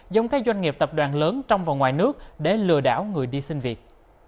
giống các doanh nghiệp tập đoàn lớn trong và ngoài nước để lừa đảo người đi sinh việc